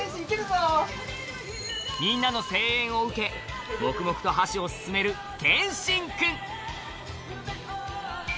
みんなの声援を受け黙々と箸を進める賢進くん